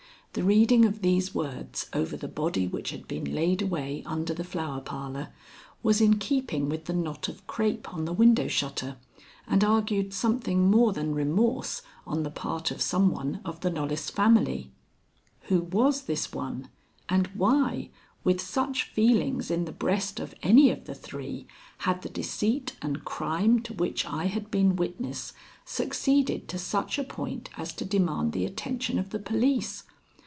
The reading of these words over the body which had been laid away under the Flower Parlor was in keeping with the knot of crape on the window shutter and argued something more than remorse on the part of some one of the Knollys family. Who was this one, and why, with such feelings in the breast of any of the three, had the deceit and crime to which I had been witness succeeded to such a point as to demand the attention of the police?